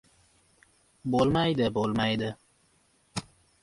Bo‘lmaydi, bo‘lmaydi!